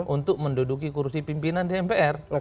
untuk menduduki kursi pimpinan di mpr